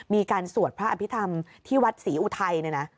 มีการสวดพระอภิษฐรรมที่วัตรศรีอุทัย